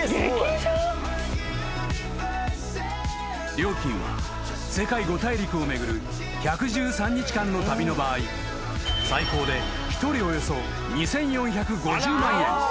［料金は世界五大陸を巡る１１３日間の旅の場合最高で１人およそ２，４５０万円］